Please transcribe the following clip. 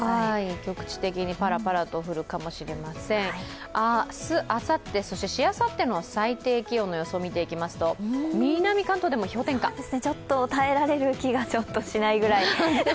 局地的にパラパラと降るかもしれません明日、あさってそしてしあさっての最低気温の予想を見ていきますと耐えられる気がしないぐらい。